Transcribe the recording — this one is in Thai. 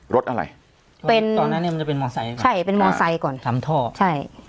รถอะไรเป็นตอนนั้นเนี้ยมันจะเป็นใช่เป็นค่ะทำทอใช่